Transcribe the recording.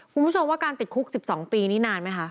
คุณผู้ชมว่าการติดคุก๑๒ปีนี่นานไหมคะ